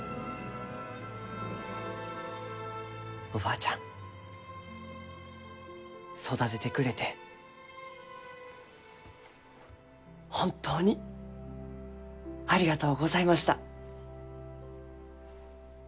おばあちゃん育ててくれて本当にありがとうございました。